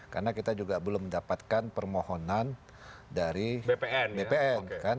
karena kita juga belum mendapatkan permohonan dari bpn